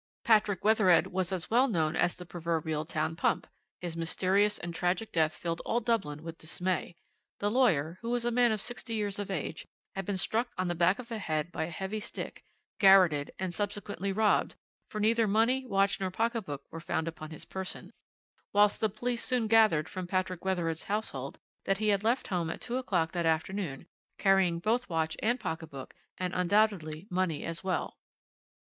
"Patrick Wethered was as well known as the proverbial town pump; his mysterious and tragic death filled all Dublin with dismay. The lawyer, who was a man sixty years of age, had been struck on the back of the head by a heavy stick, garrotted, and subsequently robbed, for neither money, watch, or pocket book were found upon his person, whilst the police soon gathered from Patrick Wethered's household that he had left home at two o'clock that afternoon, carrying both watch and pocket book, and undoubtedly money as well.